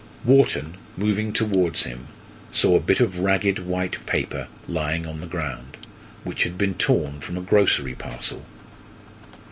Wharton, moving towards him, saw a bit of ragged white paper lying on the ground, which had been torn from a grocery parcel.